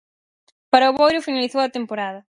Para o Boiro finalizou a temporada.